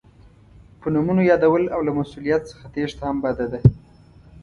په نومونو یادول او له مسؤلیت څخه تېښته هم بده ده.